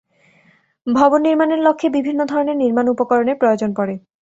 ভবন নির্মাণের লক্ষ্যে বিভিন্ন ধরনের নির্মাণ উপকরণের প্রয়োজন পড়ে।